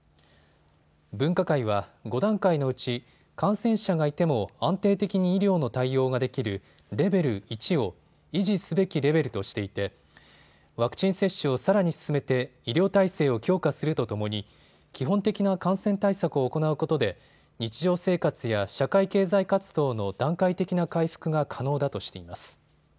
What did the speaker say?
分科会は５段階のうち感染者がいても安定的に医療の対応ができるレベル１を維持すべきレベルとしていてワクチン接種をさらに進めて医療体制を強化するとともに基本的な感染対策を行うことで日常生活や社会経済活動の段階的な回復が可能だとしています。